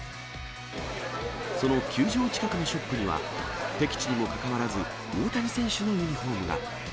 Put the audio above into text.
その球場近くのショップには、敵地にもかかわらず、大谷選手のユニホームが。